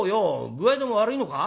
具合でも悪いのか？」。